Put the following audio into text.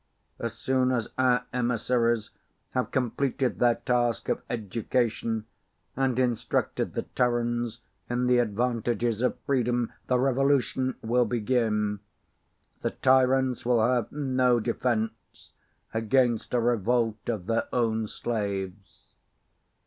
As soon as our emissaries have completed their task of education and instructed the Terrans in the advantages of freedom, the Revolution will begin. The tyrants will have no defense against a revolt of their own slaves.